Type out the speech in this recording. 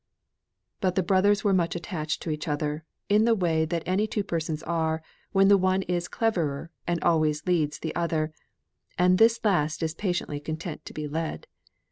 But the brothers were much attached to each other, in the way that any two persons are, when the one is cleverer and always leads the other, and this last is patiently content to be led.